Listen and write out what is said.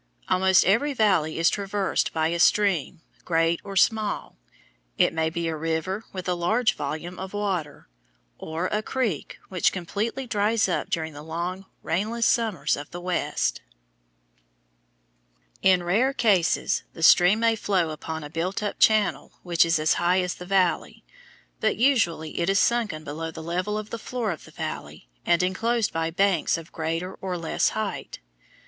Almost every valley is traversed by a stream, great or small. It may be a river, with a large volume of water, or a creek which completely dries up during the long, rainless summers of the West. [Illustration: FIG. 114. GARDEN IRRIGATION, LAS CRUCES, NEW MEXICO] In rare cases the stream may flow upon a built up channel which is as high as the valley, but usually it is sunken below the level of the floor of the valley, and enclosed by banks of greater or less height.